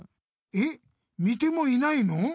えっ見てもいないの？